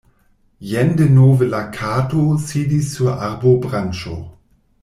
Jen denove la Kato sidis sur arbobranĉo.